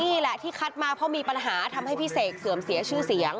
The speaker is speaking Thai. นี่แหละที่คัดมาเพราะมีปัญหาทำให้พี่เสกเสื่อมเสียชื่อเสียง